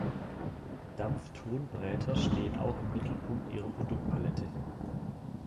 Dampf-Ton-Bräter stehen auch im Mittelpunkt ihrer Produktpalette.